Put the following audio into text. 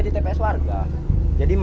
bapak baru saja bisa